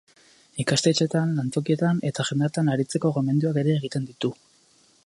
Ikastetxeetan, lantokietan eta jendartean aritzeko gomendioak ere egiten ditu.